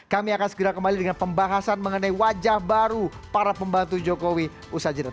kami akan segera kembali dengan pembahasan mengenai wajah baru para pembantu jokowi usaha jeda